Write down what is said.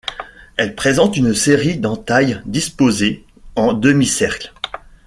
Elle présente une série d'entailles disposées en demi-cercle.